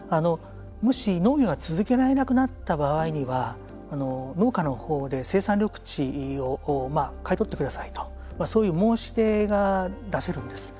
もし、農業が続けられなくなった場合には農家のほうで生産緑地を買い取ってくださいとそういう申し出が出せるんです。